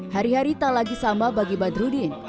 hari hari tak lagi sama bagi badrudin